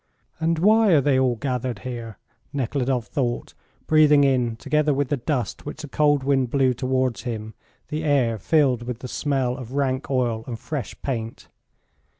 "And why are they all gathered here?" Nekhludoff thought, breathing in together with the dust which the cold wind blew towards him the air filled with the smell of rank oil and fresh paint.